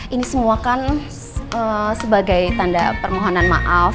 ini semua kan sebagai tanda permohonan maaf